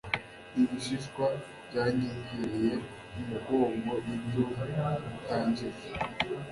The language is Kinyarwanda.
Ibishishwa byanyegereye umugongo Nibyo ndangije